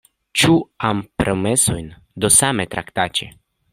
Ĉu ampromesojn do same traktaĉi?